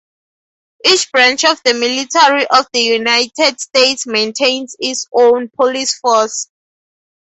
Each branch of the military of the United States maintains its own police force.